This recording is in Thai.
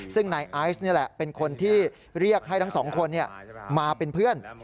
ซึ่งนายไอซ์นี่แหละเป็นคนที่เรียกให้ทั้งสองคนมาเป็นเพื่อน